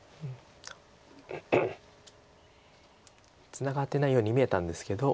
ツナがってないように見えたんですけど。